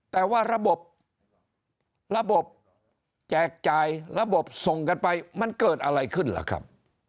แต่ว่าระบบระบบแจกจ่ายระบบส่งกันไปมันเกิดอะไรขึ้นล่ะครับ